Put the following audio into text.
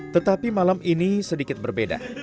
tetapi malam ini sedikit berbeda